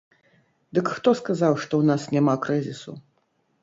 Дык хто сказаў, што ў нас няма крызісу?